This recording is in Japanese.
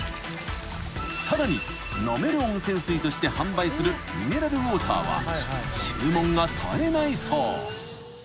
［さらに飲める温泉水として販売するミネラルウオーターは注文が絶えないそう］